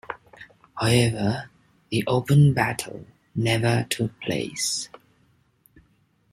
However, the open battle never took place.